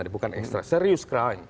bukan ekstra serius crime